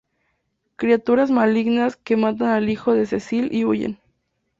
Criaturas malignas que matan al hijo de Cecil y huyen.